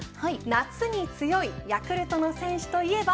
夏に強いヤクルトの選手といえば。